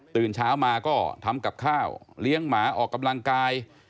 ตื่นเช้ามาก็ทำกับข้าวเลี้ยงหมาออกกำลังกาย